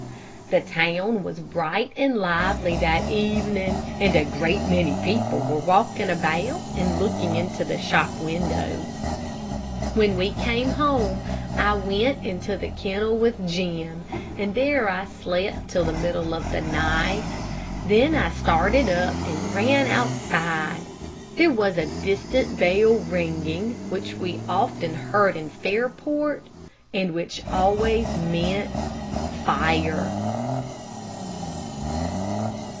The town was bright and lively that evening, and a great many people were walking about and looking into the shop windows. When we came home, I went into the kennel with Jim, and there I slept till the middle of the night. Then I started up and ran outside. There was a distant bell ringing, which we often heard in Fairport, and which always meant fire.